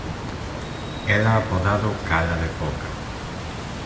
Era apodado "Cara de foca".